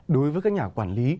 đối với các nhà quản lý